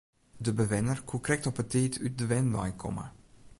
De bewenner koe krekt op 'e tiid út de wenwein komme.